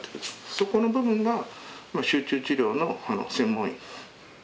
そこの部分が集中治療の専門医。